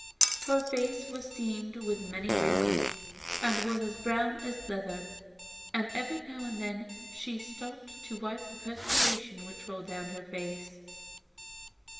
Her face was seamed with many wrinkles, and was as brown as leather, and every now and then she stopped to wipe the perspiration which rolled down her face.